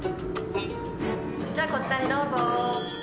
じゃあこちらにどうぞ。